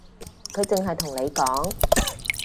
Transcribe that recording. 佢淨係同你講